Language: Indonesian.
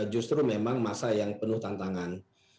justru memang masa yang penuh tantangan